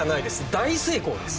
「大成功」です。